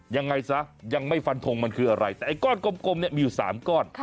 ยังไงซะยังไม่ฟันทงมันคืออะไรแต่ไอ้ก้อนกลมเนี่ยมีอยู่๓ก้อน